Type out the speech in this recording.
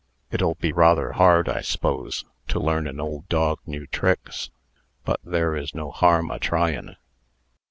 It'll be rather hard, I s'pose, to learn an old dog new tricks; but there is no harm a tryin'."